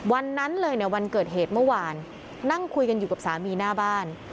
วันนั้นเลยเนี่ยวันเกิดเหตุเมื่อวานนั่งคุยกันอยู่กับสามีหน้าบ้าน